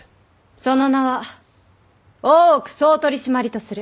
その名は大奥総取締とする。